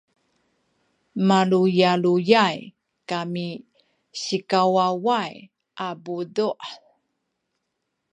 maluyaluyay kami sikawaway a puduh